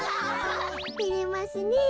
てれますねえ。